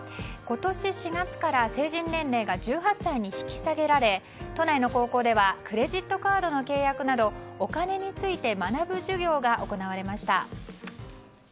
今年４月から成人年齢が１８歳に引き下げられ都内の高校ではクレジットカードの契約などお金について学ぶ授業が行われました。